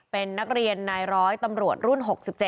เป็นนักเรียนนายร้อยตำรวจรุ่น๖๗